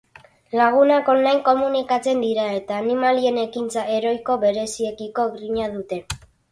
Lagunak online komunikatzen dira eta animalien ekintza heroiko bereziekiko grina dute.